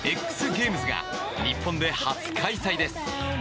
ＸＧＡＭＥＳが日本で初開催です。